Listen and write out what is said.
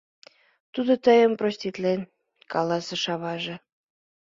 — Тудо тыйым проститлен, — каласыш аваже.